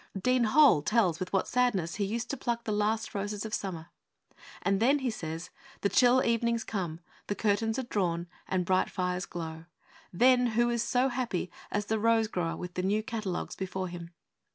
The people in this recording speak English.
Dean Hole tells with what sadness he used to pluck the last roses of summer. And then, he says, 'the chill evenings come, curtains are drawn, and bright fires glow. Then who is so happy as the rose grower with the new catalogues before him?'